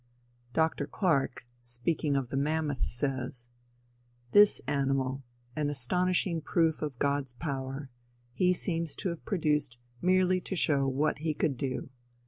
Dr. Clark speaking of the mammoth says: "This animal, an astonishing proof of God's power, he seems to have produced merely to show what he could do.